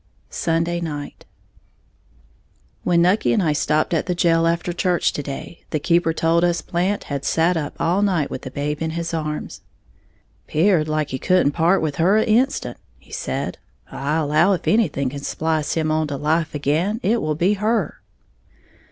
Sunday Night. When Nucky and I stopped at the jail after church to day, the keeper told us Blant had sat up all night with the babe in his arms. "'Peared like he couldn't part with her a' instant," he said; "I allow if anything can splice him on to life again, it will be her."